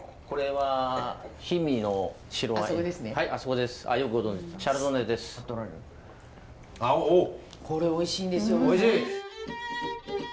これおいしいんですよ。